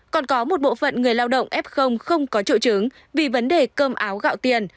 còn có một bộ phận người lao động f không có triệu chứng vì vấn đề cơm áo gạo tiền